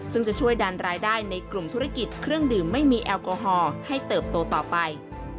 ซึ่งจะช่วยดันรายได้ในกลุ่มธุรกิจเครื่องดื่มไม่มีแอลกอฮอล์ให้เติบโตต่อไป